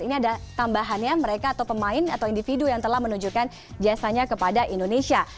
ini ada tambahannya mereka atau pemain atau individu yang telah menunjukkan jasanya kepada indonesia